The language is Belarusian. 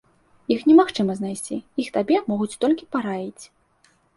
Іх немагчыма знайсці, іх табе могуць толькі параіць.